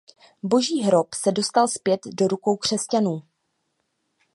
Boží hrob se dostal zpět do rukou křesťanů.